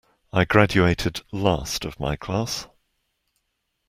I graduated last of my class.